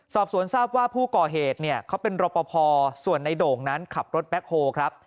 สอบสวนทราบว่าผู้ก่อเหตุเนี่ยเขาเป็นรปภส่วนในโด่งนั้นขับรถแบ็คโฮลครับ